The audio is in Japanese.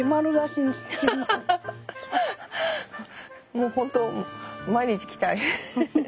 もうホント毎日来たい。